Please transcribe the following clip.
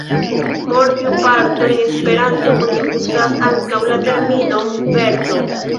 Por tiu parto en Esperanto oni uzas ankaŭ la terminon "verto".